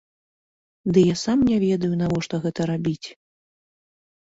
Ды я сам не ведаю, навошта гэта рабіць.